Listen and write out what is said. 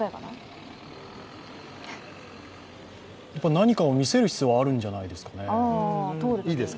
何かを見せる必要はあるんじゃないですかね？